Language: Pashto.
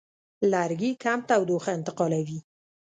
لرګي کم تودوخه انتقالوي.